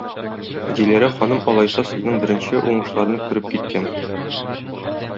Диләрә ханым алайса Сезнең беренче уңышларны күреп киткән?